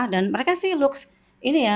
dan mereka sih looks ini ya